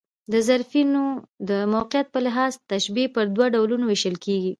د طرفَینو د موقعیت په لحاظ، تشبیه پر دوه ډولونو وېشل کېږي.